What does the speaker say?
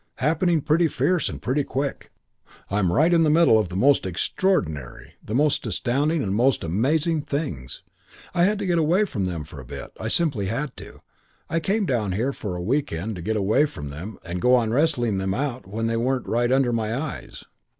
Happening pretty fierce and pretty quick. I'm right in the middle of the most extraordinary, the most astounding, the most amazing things. I had to get away from them for a bit. I simply had to. I came down here for a week end to get away from them and go on wrestling them out when they weren't right under my eyes.